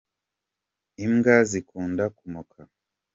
Imbwa zikunda kumoka.